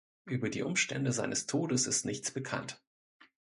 Über die Umstände seines Todes ist nichts bekannt.